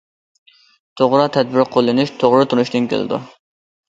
توغرا تەدبىر قوللىنىش توغرا تونۇشتىن كېلىدۇ.